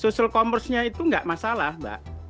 sosial commerce itu enggak masalah mbak